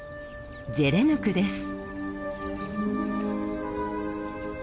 ジェレヌクです。